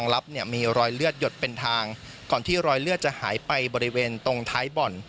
ลับเนี่ยมีรอยเลือดหยดเป็นทางก่อนที่รอยเลือดจะหายไปบริเวณตรงท้ายบ่อน